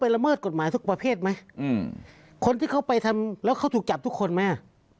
แล้วที่เขาไปทำแล้วเขาถูกจับทุกคนไหม